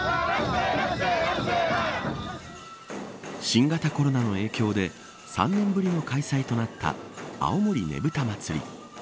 新型コロナの影響で３年ぶりの開催となった青森ねぶた祭。